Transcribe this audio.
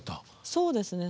そうですね。